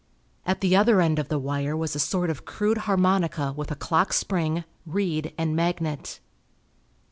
At the other end of the wire was a sort of crude harmonica with a clock spring, reed, and magnet.